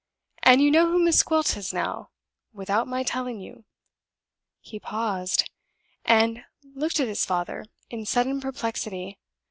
And you know who Miss Gwilt is now, without my telling you?" He paused, and looked at his father in sudden perplexity.